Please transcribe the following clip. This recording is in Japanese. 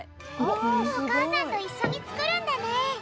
おかあさんといっしょにつくるんだね。